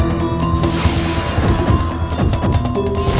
untungnya tidak terlalu parah